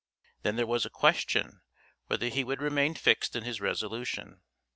Then there was a question whether he would remain fixed in his resolution.